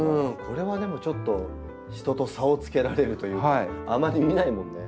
これはでもちょっと人と差をつけられるというかあまり見ないもんね。